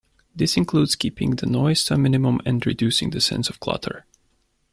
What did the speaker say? This includes keeping the noise to a minimum and reducing the sense of clutter.